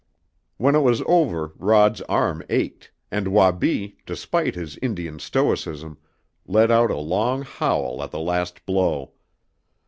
When it was over Rod's arm ached, and Wabi, despite his Indian stoicism, let out a long howl at the last blow.